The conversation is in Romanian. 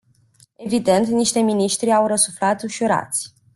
Evident, niște miniștri au răsuflat ușurați.